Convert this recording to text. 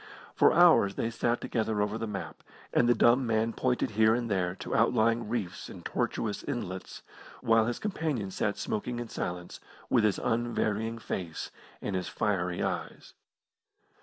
For hours they sat together over the map, and the dumb man pointed here and there to outlying reefs and tortuous inlets, while his companion sat smoking in silence, with his unvarying face and his fiery eyes.